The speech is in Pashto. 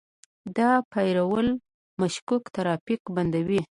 دا فایروال مشکوک ترافیک بندوي.